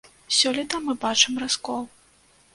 Сёлета мы бачым раскол.